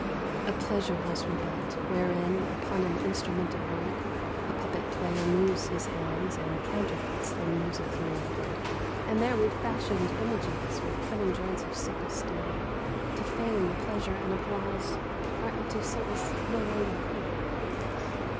A pleasure house we built, wherein Upon an instrument of wood A puppet player moves his hands And counterfeits the music 's mood ; And there we fashioned images With cunning joints of supple steel To feign the pleasure and applause Our empty souls no longer feel.